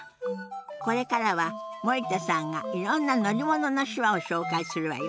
これからは森田さんがいろんな乗り物の手話を紹介するわよ。